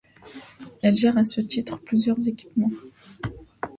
Elle gère à ce titre plusieurs équipements.